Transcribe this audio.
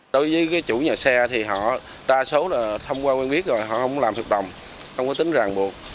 đối với chủ nhà xe thì họ đa số là thông qua quen biết rồi họ không làm thực đồng không có tính ràng buộc